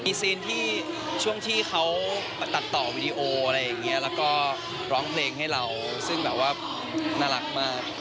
มีซีนที่ช่วงที่เขาตัดต่อวีดีโออะไรอย่างนี้แล้วก็ร้องเพลงให้เราซึ่งแบบว่าน่ารักมาก